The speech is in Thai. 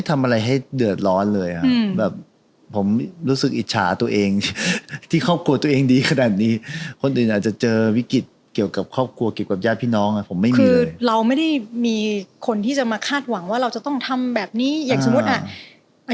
แต่ว่าผมโทษคนที่ไม่ได้ฟังอันใหม่แล้วด่า